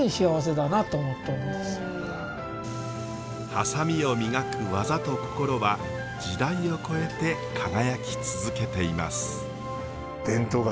ハサミを磨く技と心は時代を超えて輝き続けています。